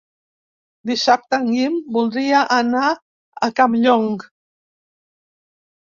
Dissabte en Guim voldria anar a Campllong.